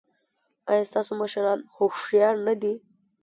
ایا ستاسو مشران هوښیار نه دي؟